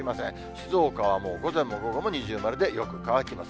静岡は午前も午後も二重丸でよく乾きます。